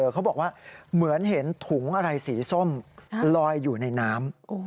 เขาบอกว่าเหมือนเห็นถุงอะไรสีส้มลอยอยู่ในน้ำ